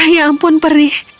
ya ampun perih